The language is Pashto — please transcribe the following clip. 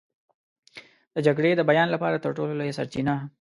د جګړې د بیان لپاره تر ټولو لویه سرچینه.